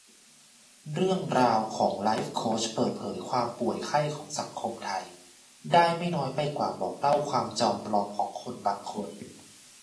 เรื่องราวของไลฟ์โคชเปิดเผยความป่วยไข้ของสังคมไทย ได้ไม่น้อยไปกว่าบอกเล่าความจอมปลอมของคนบางคน